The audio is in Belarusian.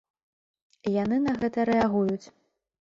Яны на гэта рэагуюць.